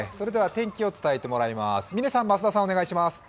天気を伝えてもらいます。